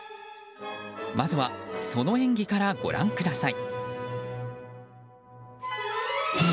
まずはその演技からご覧ください。